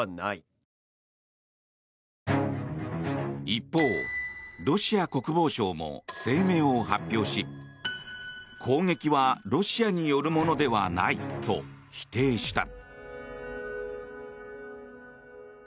一方、ロシア国防省も声明を発表し攻撃はロシアによるものではないと否定した。